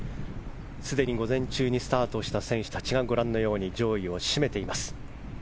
すでに午前中にスタートした選手たちがご覧のように上位を占めています。